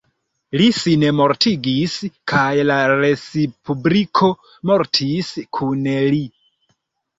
Li sinmortigis kaj la Respubliko mortis kun li.